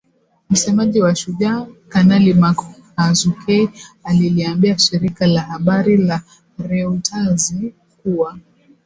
Msemaji wa Shujaa, Kanali Mak Hazukay aliliambia shirika la habari la reutazi kuwa